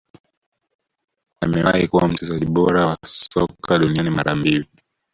Amewahi kuwa mchezaji bora wa soka duniani mara mbili